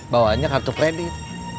bawanya kartu kredit